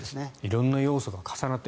色んな要素が重なって。